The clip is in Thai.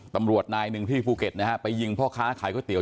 ตำรวจนายหนึ่งที่ภูเก็ตนะฮะไปยิงพ่อค้าขายก๋วเตี๋